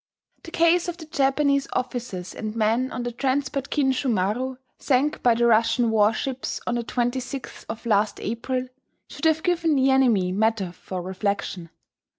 ] [The case of the Japanese officers and men on the transport Kinshu Maru, sank by the Russian warships on the 26th of last April, should have given the enemy matter for reflection.